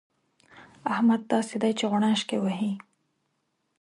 احمد داسې دی چې غوڼاشکې وهي.